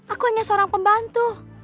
aku hanya seorang pembantu